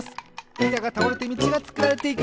いたがたおれてみちがつくられていく！